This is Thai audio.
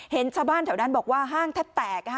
เห็นชาวบ้านแถวนั้นบอกว่าห้างแทบแตก